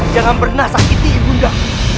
jangan pernah sakiti bunda